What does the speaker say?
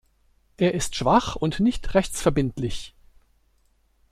Er ist schwach und nicht rechtsverbindlich.